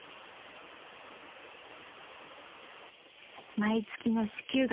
［毎月の支給額